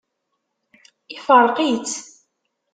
Ifṛeq-itt.